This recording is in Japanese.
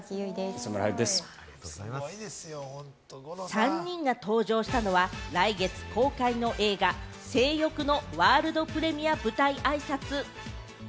３人が登場したのは、来月公開の映画『正欲』のワールドプレミア舞台あいさつ。